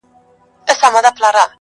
نن به څه خورې سړه ورځ پر تېرېدو ده -